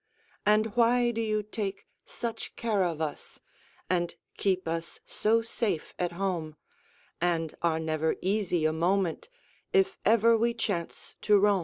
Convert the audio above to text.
And why do you take such care of us, And keep us so safe at home, And are never easy a moment If ever we chance to roam?